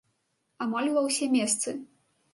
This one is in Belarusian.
Амаль ува ўсе месцы!